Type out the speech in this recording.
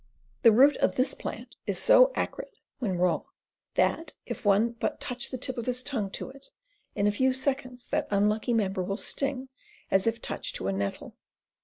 The root of this plant is so acrid when raw that, if one but touch the tip of his tongue to it, in a few seconds that un lucky member will sting as if touched to a nettle.